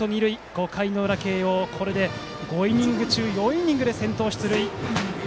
５回裏の慶応これで５イニング中４イニングで先頭出塁。